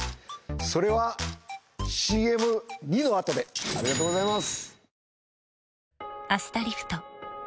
それはＣＭ２のあとでありがとうございます